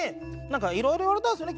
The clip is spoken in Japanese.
いろいろ言われたんですよね。